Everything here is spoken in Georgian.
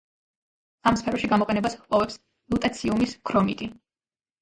ამ სფეროში გამოყენებას ჰპოვებს ლუტეციუმის ქრომიტი.